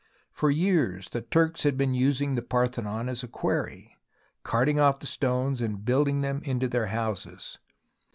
For years the Turks had been using the Parthenon as a quarry, carting off the stones and building them into their houses.